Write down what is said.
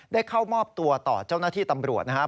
เข้ามอบตัวต่อเจ้าหน้าที่ตำรวจนะครับ